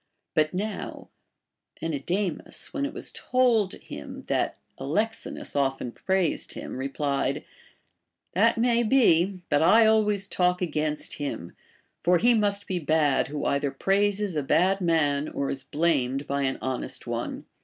But now Menedemus, >vhen it Avas told him that Alexinus often praised him, replied : That may be, but I always talk against him ; for he must be bad who either praises a bad man or is blamed by an honest one.